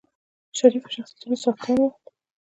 شریفو شخصیتونو څښتنان ول.